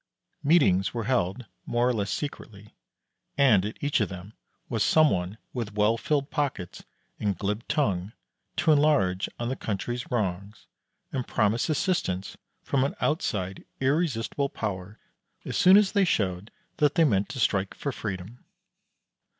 Meetings were held more or less secretly, and at each of them was some one with well filled pockets and glib tongue, to enlarge on the country's wrongs, and promise assistance from an outside irresistible power as soon as they showed that they meant to strike for freedom.